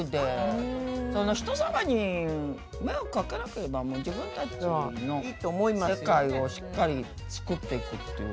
人様に迷惑かけなければもう自分たちの世界をしっかり作っていくっていう。